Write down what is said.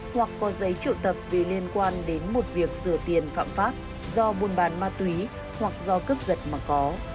hoặc có giấy triệu tập vì liên quan đến một việc sửa tiền phạm pháp do buôn bán ma túy hoặc do cướp giật mà có